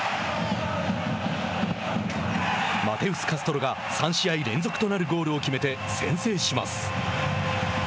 マテウス・カストロが３試合連続となるゴールを決めて先制します。